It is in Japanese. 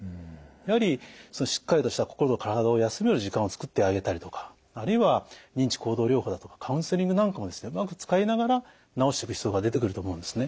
やはりしっかりとした心と体を休める時間をつくってあげたりとかあるいは認知行動療法だとかカウンセリングなんかもうまく使いながら治していく必要が出てくると思うんですね。